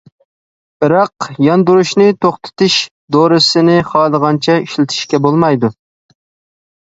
بىراق ياندۇرۇشنى توختىتىش دورىسىنى خالىغانچە ئىشلىتىشكە بولمايدۇ.